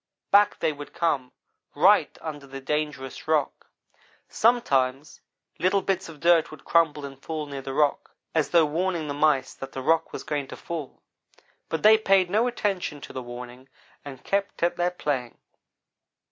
back they would come right under the dangerous rock. Sometimes little bits of dirt would crumble and fall near the rock. as though warning the mice that the rock was going to fall, but they paid no attention to the warning, and kept at their playing.